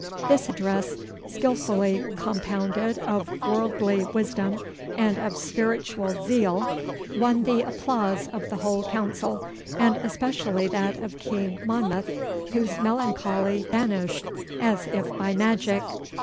This address, skilfully compounded of worldly wisdom and of spiritual zeal, won the applause of the whole council, and especially that of King Monmouth, whose melancholy vanished as if by magic.